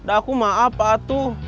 aku maaf pak atuh